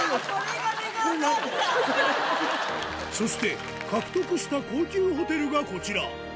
そして獲得した高級ホテルがこちら